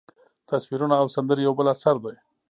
تصویرونه او سندرې یو بل اثر دی.